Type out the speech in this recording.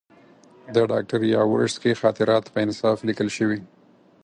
د ډاکټر یاورسکي خاطرات په انصاف لیکل شوي.